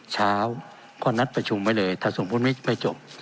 เช้าก็นัดประชุมไว้เลยถ้าสมมุติไม่จบ